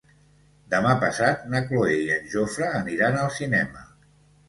Demà passat na Cloè i en Jofre aniran al cinema.